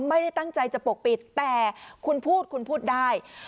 ไม่ได้ตั้งใจจะปกปิดแต่คุณพูดคุณพูดได้